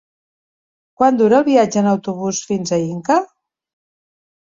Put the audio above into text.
Quant dura el viatge en autobús fins a Inca?